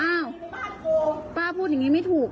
อ้าวป้าพูดอย่างนี้ไม่ถูก